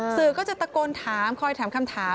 สื่อก็จะตะโกนถามคอยถามคำถาม